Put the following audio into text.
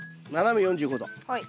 はい。